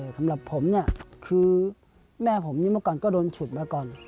สำหรับผมเนี่ยคือแม่ผมนี่เมื่อก่อนก็โดนฉุดมาก่อน